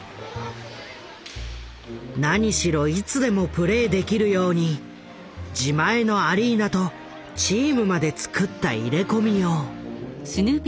なにしろいつでもプレーできるように自前のアリーナとチームまでつくった入れ込みよう。